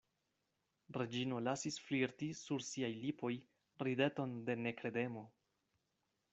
Reĝino lasis flirti sur siaj lipoj rideton de nekredemo.